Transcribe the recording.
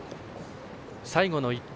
最後の１頭。